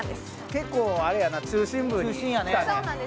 結構あれやな、中心地に来たね。